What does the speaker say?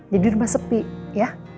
jadi rumah sepi ya